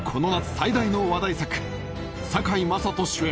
最大の話題作堺雅人主演